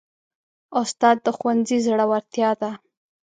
استاد د ښوونځي زړورتیا ده.